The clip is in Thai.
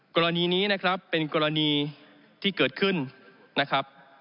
กรณีนี้นะครับเป็นกรณีที่เกิดขึ้นนะครับ